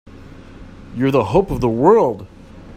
You're the hope of the world!